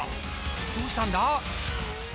どうしたんだ？